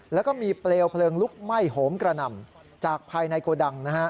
แล้วก็มีเปลวเพลิงลุกไหม้โหมกระหน่ำจากภายในโกดังนะฮะ